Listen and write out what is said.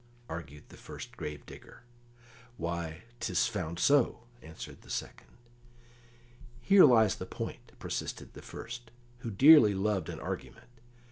argued the first grave digger. "Why, 'tis found so," answered the second. "Here lies the point," persisted the first, who dearly loved an argument.